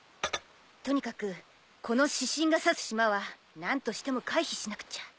とにかくこの指針が指す島は何としても回避しなくちゃ。